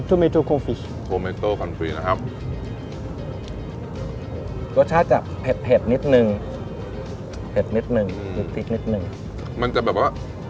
อืถ้าจะเผ็ดเผ็ดนิดนึงเผ็ดนิดนึงอืมจะไปบอกว่๊ะ